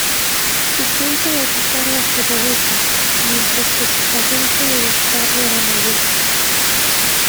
Su tiempo de recarga se redujo, mientras que su cadencia de disparo era mayor.